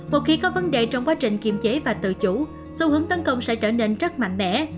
một khi có vấn đề trong quá trình kiềm chế và tự chủ xu hướng tấn công sẽ trở nên rất mạnh mẽ